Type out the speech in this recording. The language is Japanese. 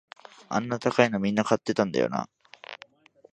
あんな高いのみんな買ってたんだよな